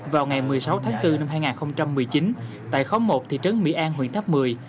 vào ngày một mươi sáu tháng bốn năm hai nghìn một mươi chín tại khóa một thị trấn mỹ an huyện tháp mười